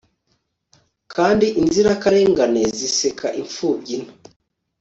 Kandi inzirakarengane ziseka imfubyi nto